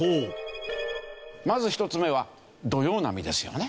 まず１つ目は土用波ですよね。